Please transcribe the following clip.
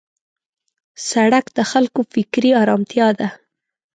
سړک د خلکو فکري آرامتیا ده.